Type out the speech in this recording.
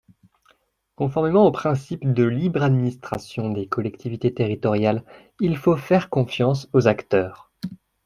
Conformément au principe de libre administration des collectivités territoriales, il faut faire confiance aux acteurs.